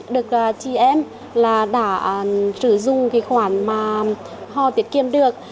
được chị em là đã sử dụng cái khoản mà họ tiết kiệm được